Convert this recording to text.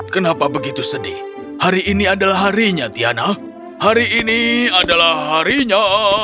kenapa begitu sedih hari ini adalah harinya tiana hari ini adalah harinya